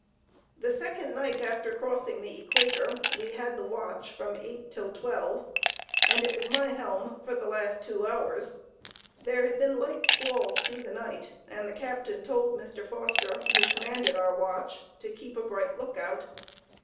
The second night after crossing the equator, we had the watch from eight till twelve, and it was "my helm" for the last two hours. There had been light squalls through the night, and the captain told Mr. Foster, who commanded our watch, to keep a bright lookout.